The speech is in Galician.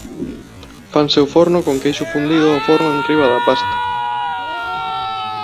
Fanse ao forno con queixo fundido ao forno enriba da pasta.